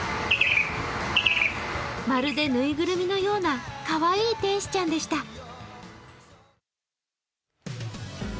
まるでぬいぐるみのようなかわいい天使ちゃんでした。